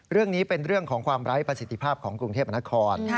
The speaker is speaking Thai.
เรื่องนี้เป็นเรื่องของความไร้ประสิทธิภาพของกรุงเทพมนคร